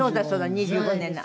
２５年の。